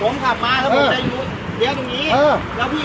เมื่อ